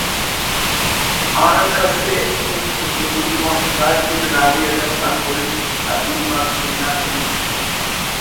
آن کس ءِ است ہسونی مف داٹی براہوئی ادب نا کل ادیب آک تینا ہیت